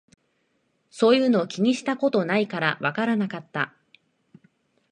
そういうの気にしたことないからわからなかった